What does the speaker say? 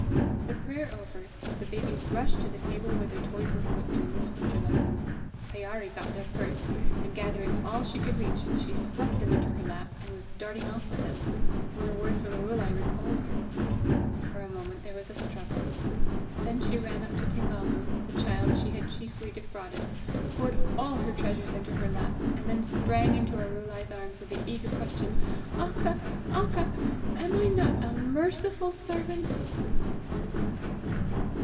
The prayer over, the babies rushed to the table where their toys were put during the Scripture lesson. Pyârie got there first, and, gathering all she could reach, she swept them into her lap and was darting off with them, when a word from Arulai recalled her. For a moment there was a struggle. Then she ran up to Tingalu, the child she had chiefly defrauded, poured all her treasures into her lap, and then sprang into Arulai's arms with the eager question: "Acca! Acca! Am I not a Merciful Servant?"